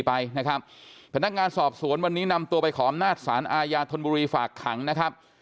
ไปนะครับพนักงานสอบสวนวันนี้นำตัวไปขออำนาจสารอาญาธนบุรีฝากขังนะครับ